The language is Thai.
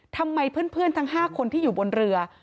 ทำไมเพื่อนทั้ง๕คนที่อยู่บนเรือ